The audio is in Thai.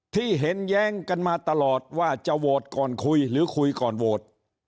ที่เห็นแย้งกันมาตลอดว่าจะโหวตก่อนคุยหรือคุยก่อนโหวต